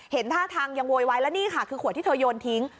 ท่าทางยังโวยวายและนี่ค่ะคือขวดที่เธอโยนทิ้ง